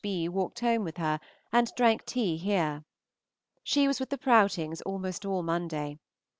B. walked home with her, and drank tea here. She was with the Prowtings almost all Monday.